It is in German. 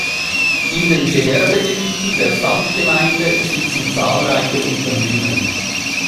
In den Gewerbegebieten der Samtgemeinde sitzen zahlreiche Unternehmen.